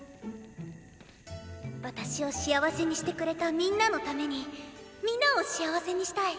「私を幸せにしてくれた皆のために皆を幸せにしたい」。